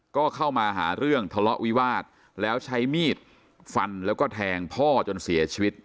ก็เข้ามาหาเรื่องทะเลาะวิวาสแล้วใช้มีดฟันแล้วก็แทงพ่อจนเสียชีวิต